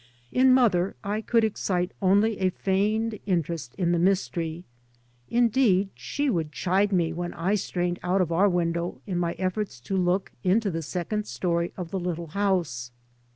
In mother I could excite only a feigned interest in the mystery. Indeed she would chide me when I strained out of our window in my efforts to look into the second story of the little house.